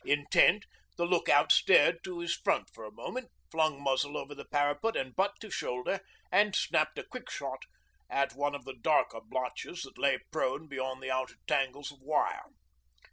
Intent, the look out stared to his front for a moment, flung muzzle over the parapet and butt to shoulder, and snapped a quick shot at one of the darker blotches that lay prone beyond the outer tangles of wire.